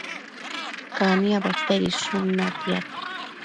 caniabo tedishun natiad